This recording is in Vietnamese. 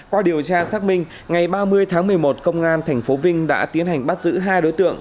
qua điều tra xác minh ngày ba mươi tháng một mươi một công an tp vinh đã tiến hành bắt giữ hai đối tượng